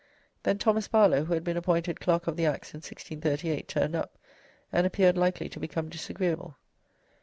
Then Thomas Barlow, who had been appointed Clerk of the Acts in 1638, turned up, and appeared likely to become disagreeable.